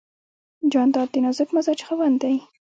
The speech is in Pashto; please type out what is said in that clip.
جانداد د نازک مزاج خاوند دی.